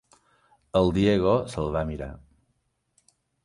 El Diego se'l va mirar.